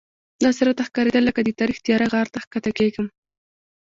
داسې راته ښکارېدل لکه د تاریخ تیاره غار ته ښکته کېږم.